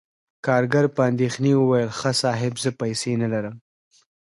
کارګر په اندیښنې وویل: "ښه، صاحب، زه پیسې نلرم..."